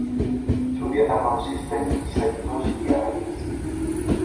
Su dieta consiste en insectos y arañas.